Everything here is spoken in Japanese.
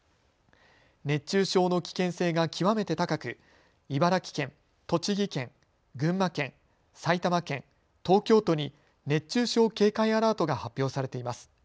熱中症の危険性が極めて高く茨城県、栃木県、群馬県、埼玉県、東京都に熱中症警戒アラートが発表されています。